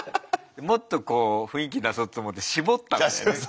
もっとこう雰囲気出そうと思って絞ったんだよね。